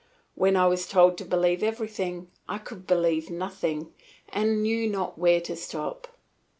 When I was told to believe everything, I could believe nothing, and I knew not where to stop.